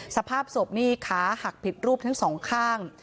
สภาพศพนี่ขาหักผิดรูปทั้งสองข้าง